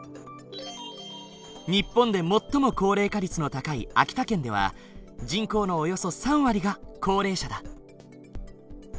日本で最も高齢化率の高い秋田県では人口のおよそ３割が高齢者だ。